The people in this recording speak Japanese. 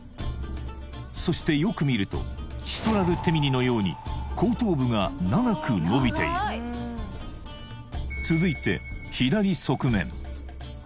そしてよく見るとシトラルテミニのように後頭部が長くのびている続いて左側面